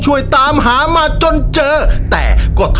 หัวหนึ่งหัวหนึ่ง